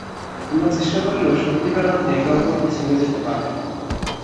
আমরা চেষ্টা করলেও সত্যিকার অর্থে একে অপরকে ছেড়ে যেতে পারব না।